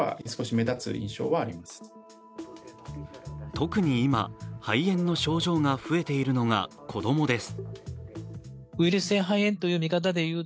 特に今、肺炎の症状が増えているのが子供です。